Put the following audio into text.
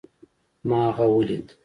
ما هغه وليد